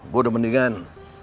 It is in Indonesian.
gue udah mendingan